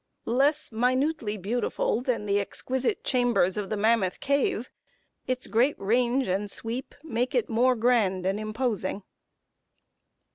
Less minutely beautiful than the exquisite chambers of the Mammoth Cave, its great range and sweep make it more grand and imposing.